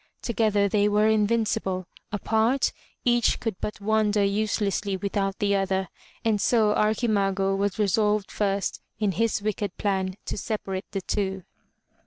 Together they were invincible; apart, each could but wander uselessly without the other, and so Archimago was resolved first in his wicked plan to separate the two.